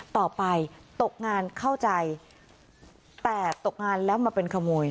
ต่อไปตกงานเข้าใจแต่ตกงานแล้วมาเป็นขโมย